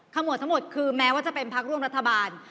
หมวดทั้งหมดคือแม้ว่าจะเป็นพักร่วมรัฐบาล